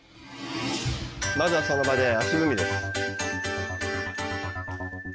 まずはその場で足踏みです。